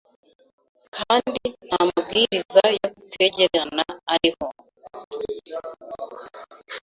kandi nta mabwiriza yo kutegerana ariho